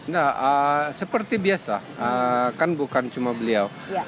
nah seperti biasa kan bukan cuma beliau